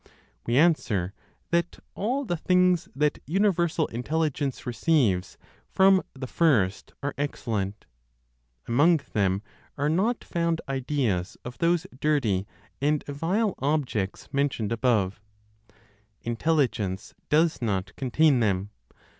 We answer that all the things that universal Intelligence receives from the First are excellent. Among them are not found ideas of those dirty and vile objects mentioned above; Intelligence does not contain them.